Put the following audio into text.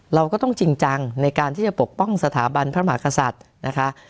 เราก็ต้องจริงจังในการที่จะปกป้องสถาบันพระมหากษัตริย์นะคะ